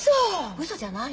うそじゃないのよ。